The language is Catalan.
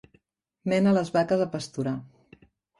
Mena les vaques a pasturar.